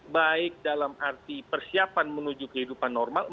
baik dalam arti persiapan menuju kehidupan normal